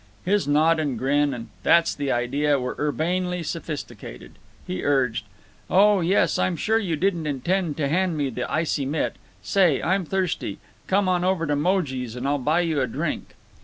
His nod and grin and "That's the idea!" were urbanely sophisticated. He urged: "Oh yes, I'm sure you didn't intend to hand me the icy mitt. Say! I'm thirsty. Come on over to Moje's and I'll buy you a drink."